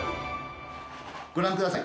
ご覧ください。